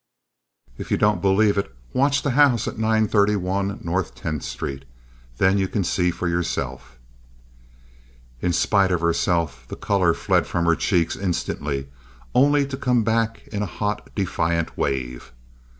If you don't believe it, watch the house at 931 North Tenth Street. Then you can see for yourself. In spite of herself the color fled from her cheeks instantly, only to come back in a hot, defiant wave.